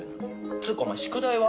つーかお前宿題は？